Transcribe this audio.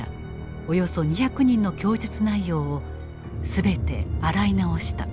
およそ２００人の供述内容を全て洗い直した。